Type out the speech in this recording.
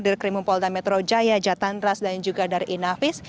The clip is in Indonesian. dari krimumpolda metro jaya jatandras dan juga dari inafis